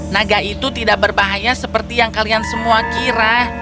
naga itu tidak berbahaya seperti yang kalian semua kira